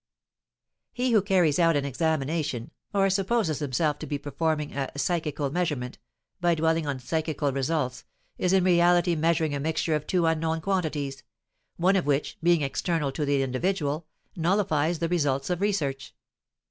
He who carries out an examination, or supposes himself to be performing a "psychical measurement" by dwelling on psychical results, is in reality measuring a mixture of two unknown quantities, one of which, being external to the individual, nullifies the results of research.